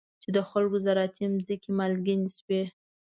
چې د خلکو زراعتي ځمکې مالګینې شوي.